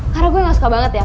karena gue gak suka banget ya